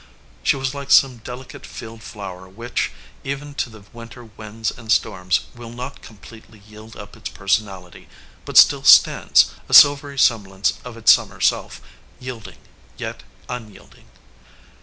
She was like some delicate field flower which, even to the win ter winds and storms, will not completely yield uj) its personality, but still stands, a silvery semblance of its summer self, yielding yet unyielding.